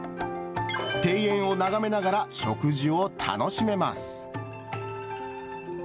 庭園を眺めながら食事を楽しめます。